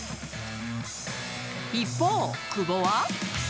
一方、久保は。